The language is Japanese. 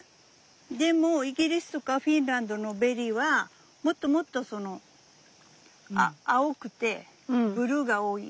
でもイギリスとかフィンランドのベリーはもっともっとその青くてブルーが多い。